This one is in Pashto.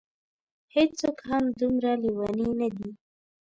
هېڅوک هم دومره لېوني نه دي.